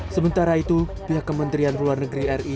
sementara itu pihak kementerian luar negeri ri